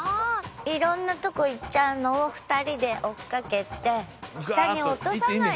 いろんなとこ行っちゃうのを２人で追っかけて下に落とさないようにすれば。